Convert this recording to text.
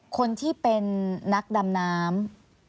คนที่เป็นนักดำน้ำ